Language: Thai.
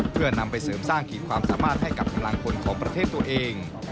เพื่อนำไปเสริมสร้างขีดความสามารถให้กับกำลังพลของประเทศตัวเอง